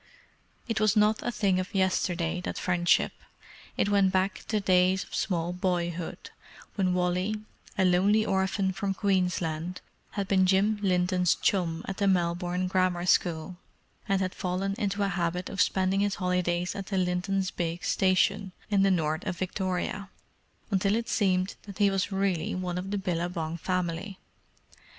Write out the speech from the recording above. It was not a thing of yesterday, that friendship. It went back to days of small boyhood, when Wally, a lonely orphan from Queensland, had been Jim Linton's chum at the Melbourne Grammar School, and had fallen into a habit of spending his holidays at the Linton's big station in the north of Victoria, until it seemed that he was really one of the Billabong family.